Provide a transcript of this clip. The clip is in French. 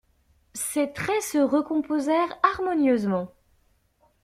Ses traits se recomposèrent harmonieusement.